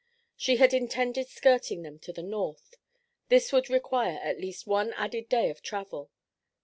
She had intended skirting them to the north. This would require at least one added day of travel.